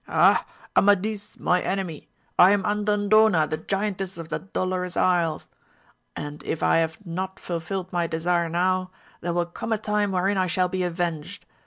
Ah Amadis, my enemy , .I am Andan dona the giantess of the Dolorous Isle ; and if I have not fulfilled my desire now, there will come a time wherein I shall be avenged.